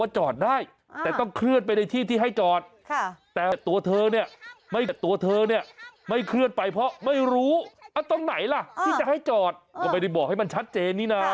จอดได้ไหมล่ะที่จะให้จอดก็ไม่ได้บอกให้มันชัดเจนนี่นา